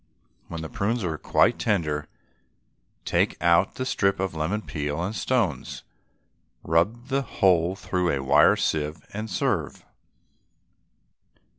When the prunes are quite tender take out the strip of lemon peel and stones, rub the whole through a wire sieve, and serve.